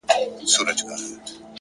• زه څلور ورځي مهلت درڅخه غواړم,